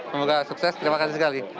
semoga sukses terima kasih sekali